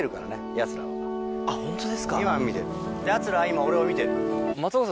やつらは今俺を見てる。